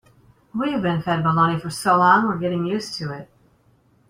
We've been fed baloney so long we're getting used to it.